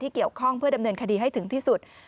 เกี่ยวข้องเพื่อดำเนินคดีให้ถึงที่สุด